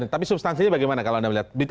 tapi substansinya bagaimana kalau anda melihat